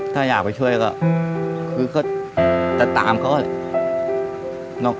ถ้าอยากไปช่วยก็คือก็จะตามเขาแหละ